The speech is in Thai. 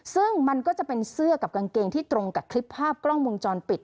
ซึ่งมันก็จะเป็นเสื้อกับกางเกงที่ตรงกับคลิปภาพกล้องวงจรปิด